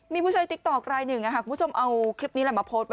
มีผู้ใช้ติ๊กต๊อกรายหนึ่งคุณผู้ชมเอาคลิปนี้แหละมาโพสต์ไว้